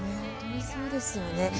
本当にそうですよね。